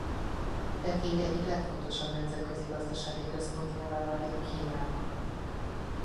Peking egyik legfontosabb nemzetközi gazdasági központjává válik Kínának.